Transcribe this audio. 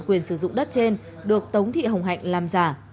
quyền sử dụng đất trên được tống thị hồng hạnh làm giả